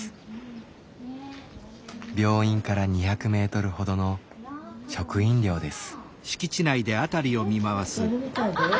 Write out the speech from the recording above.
病院から２００メートルほどの職員寮です。